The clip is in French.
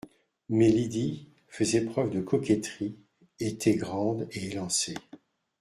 Mais Lydie faisait preuve de coquetterie, était grande et élancée